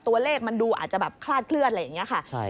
ตัวเลขมันดูอาจจะแบบคลาดเคลื่อนอะไรอย่างนี้ค่ะ